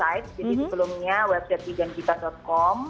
jadi sebelumnya website tigaanjita com